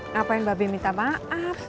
ngapain mbak bim minta maaf